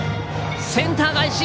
センター返し！